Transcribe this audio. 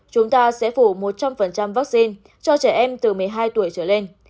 chúng ta sẽ phủ một trăm linh vaccine cho trẻ em từ một mươi hai tuổi trở lên